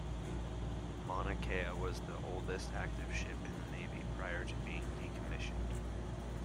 "Mauna Kea" was the oldest active ship in the Navy prior to being decommissioned.